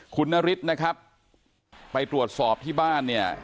คุณนฤทธิ์นะครับไปตรวจสอบที่บ้านเนี่ย